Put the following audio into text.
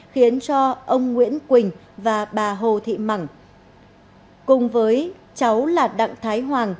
khiến ông nguyễn quỳnh và bà hồ thị mẳng cùng với cháu lạt đặng thái hoàng